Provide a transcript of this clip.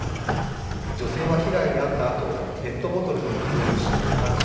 女性は被害に遭ったあと、ペットボトルの水を不審に感じ